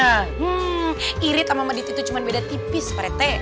hmm irit sama medit itu cuma beda tipis parete